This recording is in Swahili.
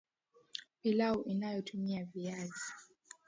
Pilau inayotumia viazi